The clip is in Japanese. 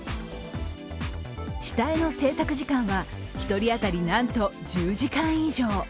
下絵の製作時間は１人当たりなんと１０時間以上。